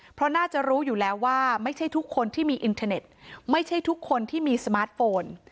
เพราะน่าจะรู้อยู่แล้วว่าไม่ใช่ทุกคนที่มีอินเทอร์เน็ตไม่ใช่ทุกคนที่มีสมาร์ทโฟน